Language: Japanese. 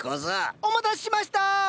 お待たせしました！